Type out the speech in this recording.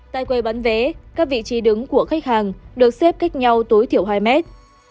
tại quầy bán vé các vị trí đứng của khách hàng được xếp cách nhau tối thiểu hai mét